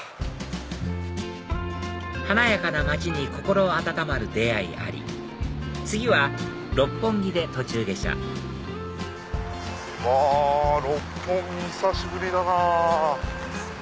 華やかな街に心温まる出会いあり次は六本木で途中下車うわ六本木久しぶりだなぁ。